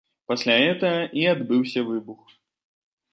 Пасля гэтага і адбыўся выбух.